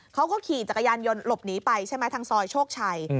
เขาก็ขี่จักรยานยนต์หลบหนีไปใช่ไหมทางซอยโชคชัย